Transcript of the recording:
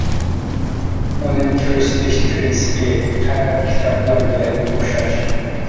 ئۇنىڭ كۆرسىتىش پىرىنسىپى قەغەز كىتابلار بىلەن ئوخشاش.